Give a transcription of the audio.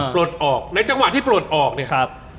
ปลดออกในจังหวะที่ปลดออกเนี่ยครับ